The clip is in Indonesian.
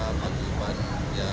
kita sempat ketemu dengan ketua majukan